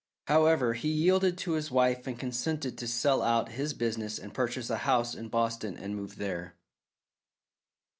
However, he yielded to his wife and consented to sell out his business and purchase a house in Boston and move there.